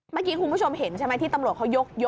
เมื่อกี้คุณผู้ชมเห็นใช่ไหมที่ตำรวจเขายก